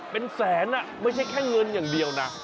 เป็นแสนไม่ใช่แค่เงินอย่างเดียวนะ